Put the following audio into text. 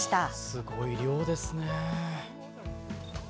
すごい量ですね。